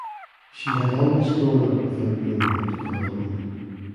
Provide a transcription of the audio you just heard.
She had always grown up without knowing what to call home.